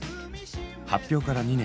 発表から２年。